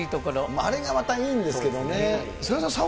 あれがまたいいんですけどね。